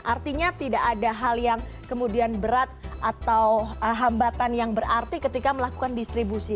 artinya tidak ada hal yang kemudian berat atau hambatan yang berarti ketika melakukan distribusi